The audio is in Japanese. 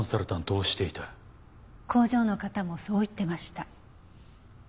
工場の方もそう言ってました。